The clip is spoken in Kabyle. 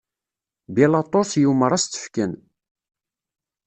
Bilaṭus yumeṛ ad s-tt-fken.